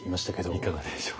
いかがでしょう。